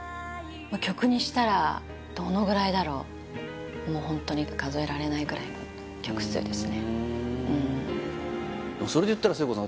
曲にしたらどのぐらいだろうもうホントに数えられないぐらいの曲数ですねそれでいったら聖子さん